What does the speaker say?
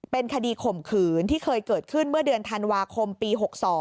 เป็นคดีข่มขืนที่เคยเกิดขึ้นเมื่อเดือนธันวาคมปี๖๒